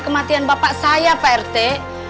kematian bapak saya pak rete